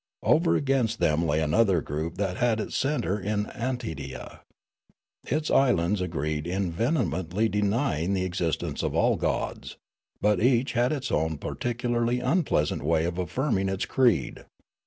Over against them lay another group that had as its centre Antidea ; its islands agreed in vehemently denj'ing the existence of all gods ; but each had its own particu larly unpleasant way of affirming its creed.